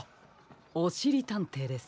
おしりたんていです。